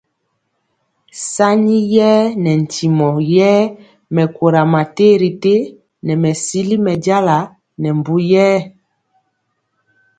Sani yɛɛ nɛ ntimɔ yɛé mɛkora ma terité nɛ mɛsili mɛ jala nɛ mbu yɛɛ.